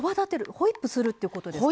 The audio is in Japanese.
ホイップするってことですか。